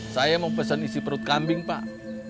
saya mau pesen isi perut kambing pak